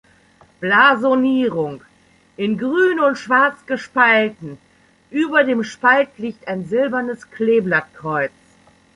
Blasonierung: In Grün und Schwarz gespalten, über dem Spalt liegt ein silbernes Kleeblattkreuz.